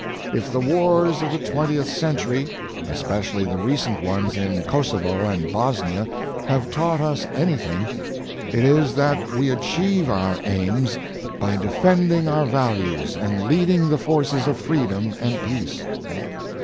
If the wars of the 20th century, especially the recent ones in Kosovo and Bosnia, have taught us anything, it is that we achieve our aims by defending our values and leading the forces of freedom and peace.